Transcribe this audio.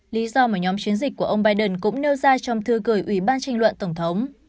lý do mà nhóm chiến dịch của ông biden cũng nêu ra trong thư gửi ủy ban tranh luận tổng thống